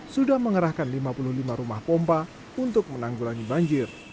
sudah mengerahkan lima puluh lima rumah pompa untuk menanggulangi banjir